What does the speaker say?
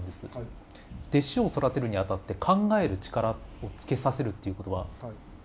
弟子を育てるにあたって考える力をつけさせるっていうことは大事ですか？